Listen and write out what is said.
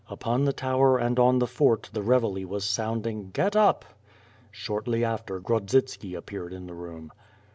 Upon the tower and on the fort the reveille was sounding, "Get up!" Shortly after, Grod zitski appeared in the room.